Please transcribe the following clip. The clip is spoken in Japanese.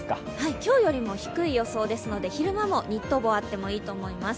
今日よりも低い予想ですので昼間もニット帽があってもいいと思います。